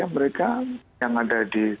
mereka yang ada di